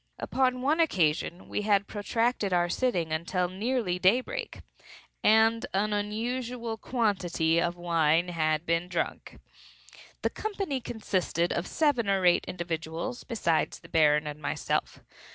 Upon one occasion we had protracted our sitting until nearly daybreak, and an unusual quantity of wine had been drunk. The company consisted of seven or eight individuals besides the Baron and myself.